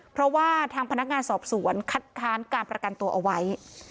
เพราะว่าทางพนักงานสอบสวนคัดค้านการประกันตัวเอาไว้